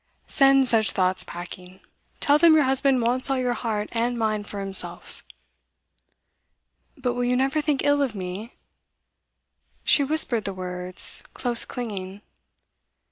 'Send such thoughts packing. Tell them your husband wants all your heart and mind for himself.' 'But will you never think ill of me?' She whispered the words, close clinging.